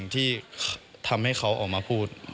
ที่ทำให้เขาออกมาพูด